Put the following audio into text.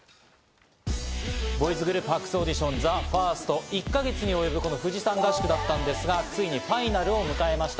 ボーイズグループ発掘オーディションＴＨＥＦＩＲＳＴ、１か月に及ぶこの富士山合宿だったんですが、ついにファイナルを迎えました。